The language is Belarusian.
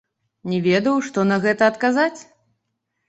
Не ведаў, што на гэта адказаць.